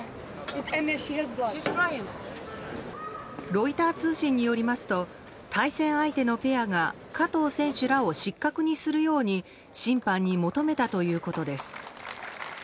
ロイター通信によりますと対戦相手のペアが加藤選手らを失格にするように審判に求めたということです。